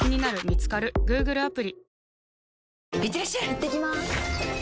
いってきます！